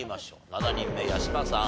７人目八嶋さん